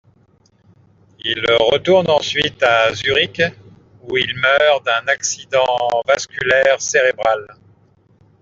Il retourne ensuite à Zürich, où il meurt d'un accident vasculaire cérébral.